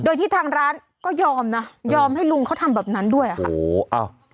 โดยที่ทางร้านก็ยอมนะยอมให้ลุงเขาทำแบบนั้นด้วยอ่ะค่ะโอ้โหอ้าว